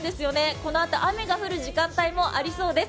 このあと雨が降る時間帯もありそうです。